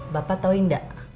bapak tau gak